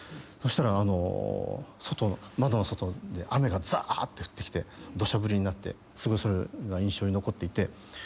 そしたら窓の外で雨がザーって降ってきて土砂降りになってすごいそれが印象に残っていて。